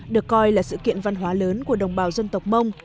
được coi là sự kiện văn hóa lớn của đồng bào dân tộc mông